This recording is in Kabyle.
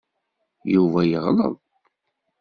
Yuba yeɣleḍ.